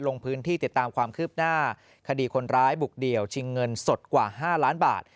ลงพื้นที่ติดตามความคืบหน้าคดีคนร้ายบุกเดี่ยวชิงเงินสดกว่า๕ล้านบาท